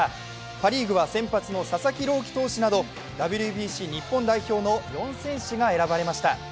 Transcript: パ・リーグは先発の佐々木朗希投手などＷＢＣ日本代表の４選手が選ばれました。